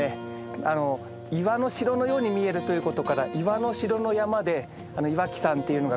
あの岩の城のように見えるということから「岩の城の山」で岩木山っていうのが語源ともいわれてますね。